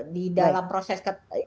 di dalam proses